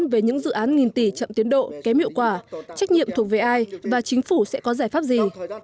về những dự án nghìn tỷ chậm tiến độ kém hiệu quả trách nhiệm thuộc về ai và chính phủ sẽ có giải pháp gì